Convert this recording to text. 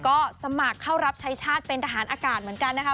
ก็สมัครเข้ารับใช้ชาติเป็นทหารอากาศเหมือนกันนะคะ